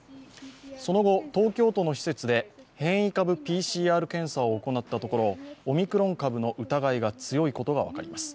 その後、東京都の施設で変異株ＰＣＲ検査を行ったところ、オミクロン株の疑いが強いことが分かります。